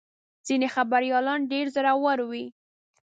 ځینې خبریالان ډېر زړور وي.